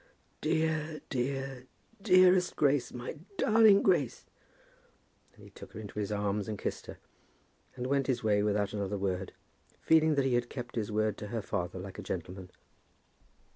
"Dear, dear, dearest Grace! My darling Grace!" Then he took her into his arms and kissed her, and went his way without another word, feeling that he had kept his word to her father like a gentleman.